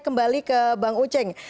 kembali ke bang uceng